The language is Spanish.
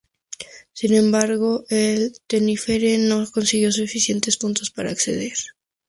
Sin embargo, el Tenerife no consiguió suficientes puntos para ascender.